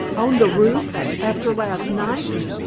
On the roof, after last night!